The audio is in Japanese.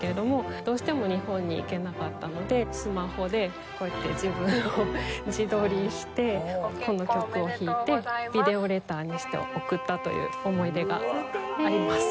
どうしても日本に行けなかったのでスマホでこうやって自分を自撮りしてこの曲を弾いてビデオレターにして贈ったという思い出があります。